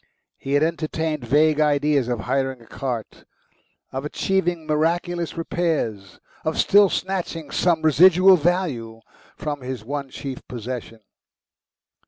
He had entertained vague ideas of hiring a cart, of achieving miraculous repairs, of still snatching some residual value from his one chief possession.